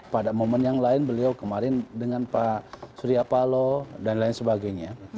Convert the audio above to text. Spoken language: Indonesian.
pada momen yang lain beliau kemarin dengan pak surya paloh dan lain sebagainya